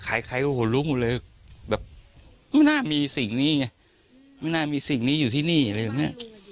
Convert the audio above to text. ใครก็ขนลุกเลยมันน่าจะมีสิ่งนี้เนี้ยมันน่ามีสิ่งนี้อยู่ที่นี้อยู่ที่นี้